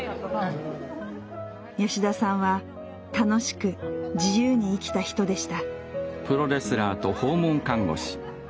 吉田さんは楽しく自由に生きた人でした。